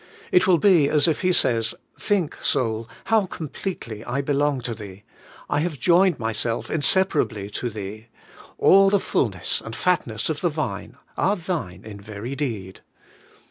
It will be as if He says, 'Think, soul, how completely I belong to thee. I have joined myself inseparably to thee; all the fulness and fatness of the Vine are thine in very deed.